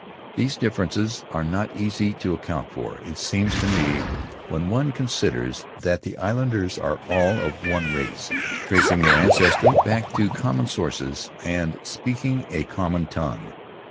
These differences are not easy to account for, it seems to me, when one considers that the islanders are all of one race, tracing their ancestry back to common sources and speaking a common tongue.